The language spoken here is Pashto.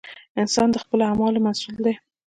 • انسان د خپلو اعمالو مسؤل دی.